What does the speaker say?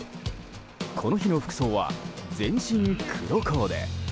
この日の服装は全身黒コーデ。